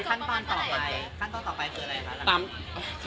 ขั้นตอนต่อไปคืออะไรครับ